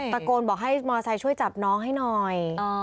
ตะโกนบอกให้มอไซค์ช่วยจับน้องให้หน่อย